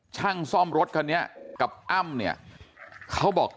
ช่างซ่อมรถคันนี้กับอ้ำเนี่ยเขาบอก